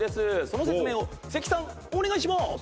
その説明を関さんお願いします！